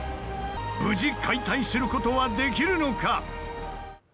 無事、解体することはできるのか？